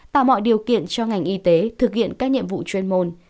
tạo mọi điều kiện cho ngành y tế thực hiện các nhiệm vụ chuyên môn